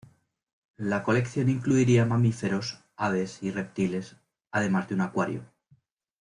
La colección incluiría mamíferos, aves y reptiles, además de un acuario.